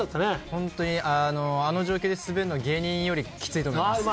本当にあの状況で滑るのは芸人よりきついですよ。